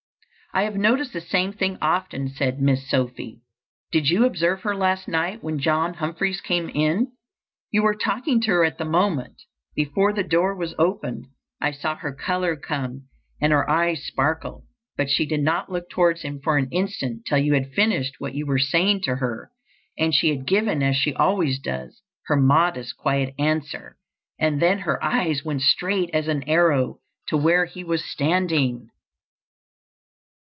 "I have noticed the same thing often," said Miss Sophia. "Did you observe her last night when John Humphreys came in? You were talking to her at the moment. Before the door was opened, I saw her color come and her eyes sparkle, but she did not look towards him for an instant till you had finished what you were saying to her, and she had given, as she always does, her modest, quiet answer, and then her eye went straight as an arrow to where he was standing."